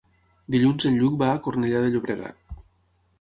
Dilluns en Lluc va a Cornellà de Llobregat.